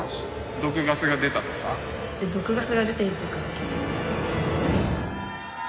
毒ガスが出ているとか